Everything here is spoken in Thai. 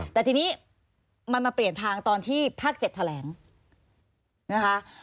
แต่ทีนี้มันมาเปลี่ยนทางตอนที่ภาค๗แถลงนะคะ